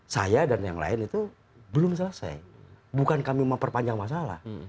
saya dan yang lain itu belum selesai bukan kami memperpanjang masalah